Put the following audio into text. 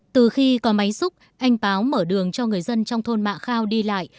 từ khi có máy xúc anh báo mở đường cho người dân trong thôn mạ khao đi lại